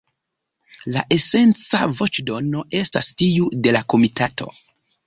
La esenca voĉdono estas tiu de la Komitato.